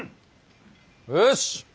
よし。